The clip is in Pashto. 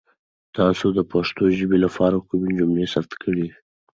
تاسو د پښتو ژبې لپاره کومې جملې ثبت کړي؟